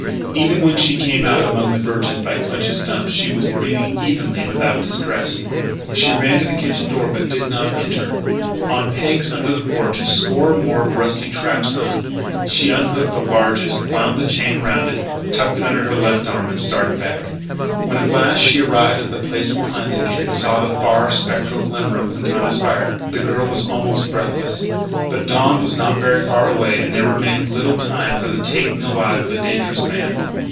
Even when she came out among the birches by Clinch's Dump she was breathing evenly and without distress. She ran to the kitchen door but did not enter. On pegs under the porch a score or more of rusty traps hung. She unhooked the largest, wound the chain around it, tucked it under her left arm and started back. When at last she arrived at the place of pines again, and saw the far, spectral glimmer of Quintana's fire, the girl was almost breathless. But dawn was not very far away and there remained little time for the taking alive of a dangerous man.